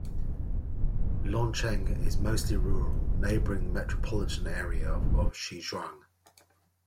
Luancheng is mostly rural, neighbouring the metropolitan area of Shijiazhuang.